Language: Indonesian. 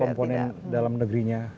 komponen dalam negerinya